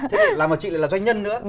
thế mà chị lại là doanh nhân nữa